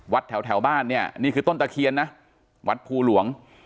แถวบ้านเนี่ยนี่คือต้นตะเคียนนะวัดภูหลวง